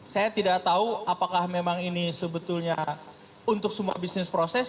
saya tidak tahu apakah memang ini sebetulnya untuk semua bisnis proses